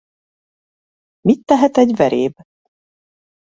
Mit tehet egy veréb?